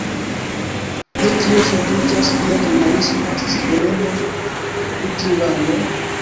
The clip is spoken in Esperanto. Je kio ŝuldiĝas via ĵurnalisma scivolemo pri tiu lando?